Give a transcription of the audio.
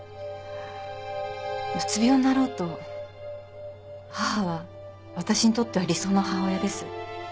うつ病になろうと母はわたしにとっては理想の母親です。